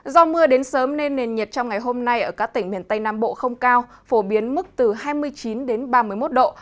do mưa đến sớm nên nền nhiệt trong ngày hôm nay ở các tỉnh miền tây nam bộ không cao phổ biến mức từ hai mươi chín đến ba mươi một độ